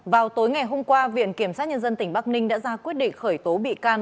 vào tối ngày hôm qua viện kiểm sát nhân dân tỉnh bắc ninh đã ra quyết định khởi tố bị can